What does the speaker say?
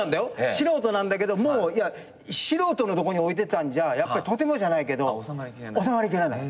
素人なんだけどもう素人のとこに置いてたんじゃとてもじゃないけどおさまりきらない。